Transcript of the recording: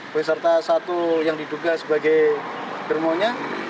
beserta satu yang diduga sebagai germonya